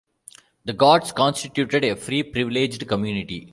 The guards constituted a free, privileged community.